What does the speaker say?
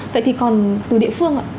vậy thì còn từ địa phương ạ